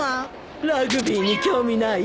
ラグビーに興味ない？